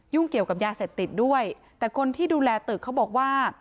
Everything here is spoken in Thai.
เกี่ยวกับยาเสพติดด้วยแต่คนที่ดูแลตึกเขาบอกว่า